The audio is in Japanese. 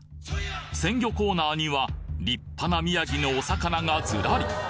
鮮魚コーナーには立派な宮城のお魚がズラリ！